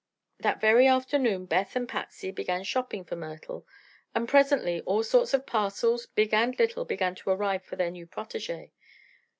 That very afternoon Beth and Patsy began shopping for Myrtle, and presently all sorts of parcels, big and little, began to arrive for their new protégé.